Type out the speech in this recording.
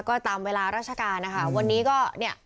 ก็ตามเวลาราชการนะคะวันนี้ก็เนี่ย